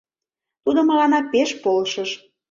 Тудо мыланна пеш полшыш.